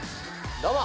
どうも。